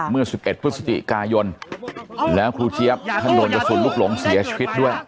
เมื่อ๑๑พฤศจิกายนแล้วครูเจี๊ยบท่านโดนกระสุนลูกหลงเสียชีวิตด้วย